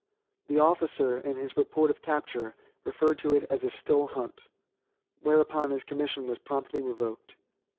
The officer, in his report of the capture, referred to it as a still hunt, whereupon his commission was promptly revoked.